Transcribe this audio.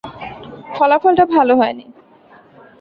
ফলাফলটা ভালো হয়নি।